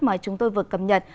mà chúng tôi vừa cập nhật